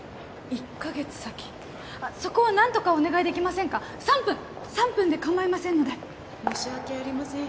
そこを何とかお願いできませんか３分３分でかまいませんので申し訳ありません